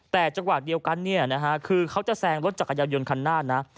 แต่จังหวะเดียวกันคือเขาจะแซงรถจักรยานยนต์คันหน้านะ